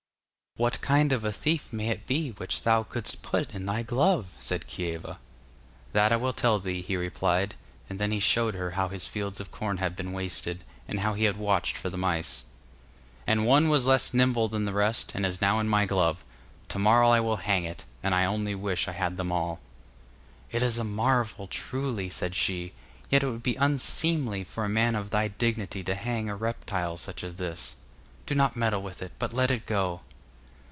'What kind of a thief may it be which thou couldst put in thy glove?' said Kieva. 'That I will tell thee,' he replied, and then he showed her how his fields of corn had been wasted, and how he had watched for the mice. 'And one was less nimble than the rest, and is now in my glove. To morrow I will hang it, and I only wish I had them all.' 'It is a marvel, truly,' said she, 'yet it would be unseemly for a man of thy dignity to hang a reptile such as this. Do not meddle with it, but let it go.